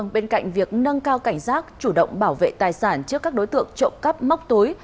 bên cạnh việc nâng cao cảnh giác chủ động bảo vệ tài sản trước các đối tượng trộm cắp móc túi